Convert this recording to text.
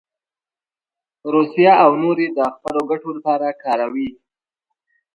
روسیه او نور یې د خپلو ګټو لپاره کاروي.